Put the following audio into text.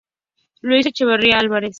Luis Echeverría Álvarez.